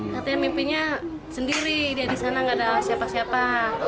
katanya mimpinya sendiri dia di sana nggak ada siapa siapa